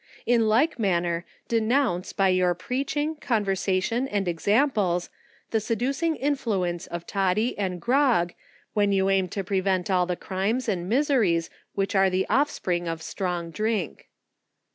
In like manner, denounce by your preach ing, conversation and examples, the seducing influence of toddy and grog, when you aim to prevent all the crimes and miseries, which are the offsprings of strong drink.